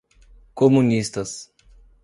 comunistas